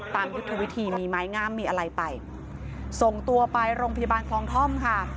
ยุทธวิธีมีไม้งามมีอะไรไปส่งตัวไปโรงพยาบาลคลองท่อมค่ะ